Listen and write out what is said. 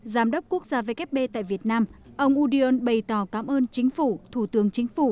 giám đốc quốc gia vkp tại việt nam ông udion bày tỏ cảm ơn chính phủ thủ tướng chính phủ